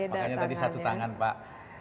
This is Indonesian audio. makanya tadi satu tangan pak